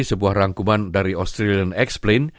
sebuah rangkuman dari australian explained